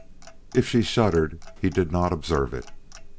If she shuddered he did not observe it.